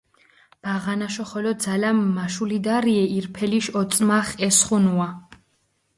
ბაღანაშო ხოლო ძალამ მაშულიდარიე ირფელიშ ოწმახ ესხუნუა.